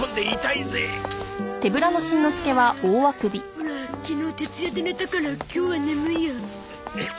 オラ昨日徹夜で寝たから今日は眠いや。